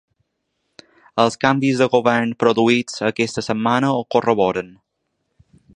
Els canvis de govern produïts aquesta setmana ho corroboren.